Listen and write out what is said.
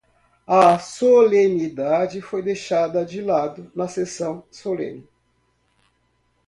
A solenidade foi deixada de lado na sessão solene